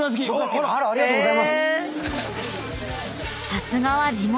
［さすがは地元］